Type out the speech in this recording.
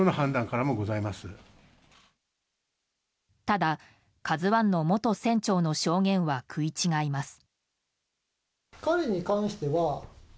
ただ、「ＫＡＺＵ１」の元船長の証言は食い違います。